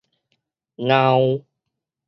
藕